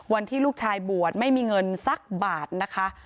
วันที่ลูกชายบวชไม่มีเงินสักบาทนะคะ